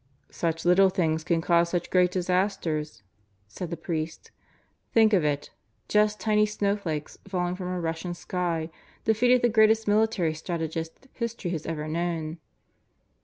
"Such little things can cause such great disasters," said the priest. "Think of it: just tiny snowflakes falling from a Russian sky defeated the greatest military strategist history has ever known."